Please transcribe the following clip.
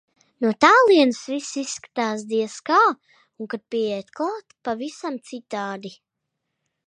No tālienes viss izskatās, diez kā, un kad pieiet klāt - pavisam citādi.